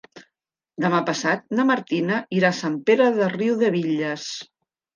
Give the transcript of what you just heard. Demà passat na Martina irà a Sant Pere de Riudebitlles.